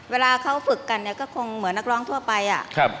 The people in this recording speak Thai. เวลาเขาฝึกกันเนี่ยก็คงเหมือนนักร้องทั่วไปอ่ะ